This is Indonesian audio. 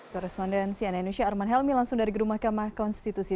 koresponden cnn indonesia arman helmi langsung dari gerumah kamah konstitusi